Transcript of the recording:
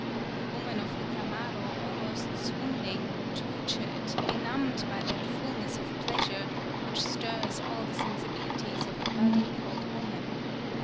The Woman of Utamaro almost swoon ing, tortured, benumbed by that fulness of pleasure which stirs all the sensibili ties of a body called woman!